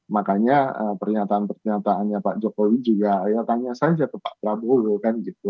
makanya pernyataan pernyataannya pak jokowi juga ya tanya saja ke pak prabowo kan gitu